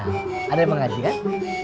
nah ada yang mengajian